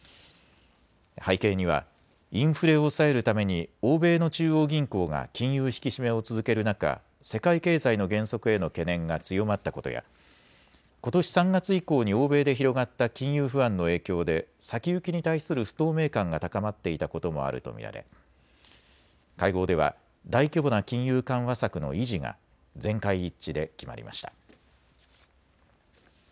背景にはインフレを抑えるために欧米の中央銀行が金融引き締めを続ける中、世界経済の減速への懸念が強まったことやことし３月以降に欧米で広がった金融不安の影響で先行きに対する不透明感が高まっていたこともあると見られ会合では大規模な金融緩和策の維持が全会一致で決まりました。